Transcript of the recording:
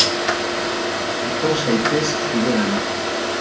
Etor zaitez guregana.